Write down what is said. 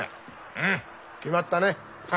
うん決まったね。